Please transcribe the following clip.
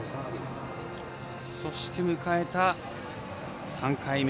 そして迎えた３回目。